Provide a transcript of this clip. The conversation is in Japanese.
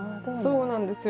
そうなんですよ。